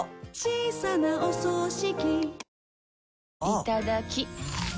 いただきっ！